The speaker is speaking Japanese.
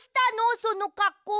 そのかっこう。